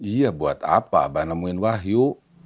iya buat apa abah nemuin wahyu